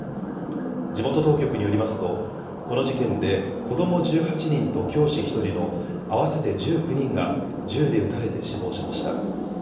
地元当局によりますとこの事件で子ども１８人と教師１人の合わせて１９人が銃で撃たれて死亡しました。